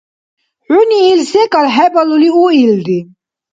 ХӀуни ил секӀал хӀебалули уилри.